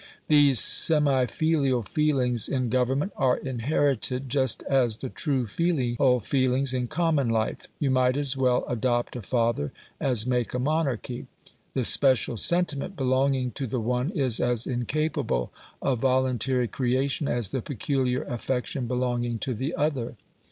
These semi filial feelings in Government are inherited just as the true filial feelings in common life. You might as well adopt a father as make a monarchy: the special sentiment belonging to the one is as incapable of voluntary creation as the peculiar affection belonging to the other.